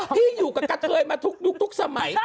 พี่อยู่กับกันเคยมาทุกสมัย